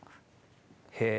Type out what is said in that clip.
へえ。